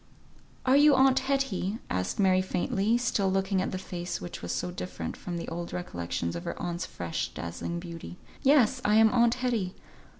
"Are you aunt Hetty?" asked Mary, faintly, still looking at the face which was so different from the old recollections of her aunt's fresh dazzling beauty. "Yes! I am aunt Hetty.